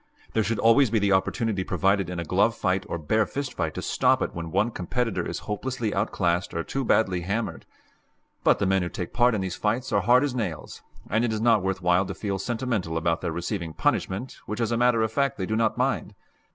There should always be the opportunity provided in a glove fight or bare fist fight to stop it when one competitor is hopelessly outclassed or too badly hammered. But the men who take part in these fights are hard as nails, and it is not worth while to feel sentimental about their receiving punishment which as a matter of fact they do not mind.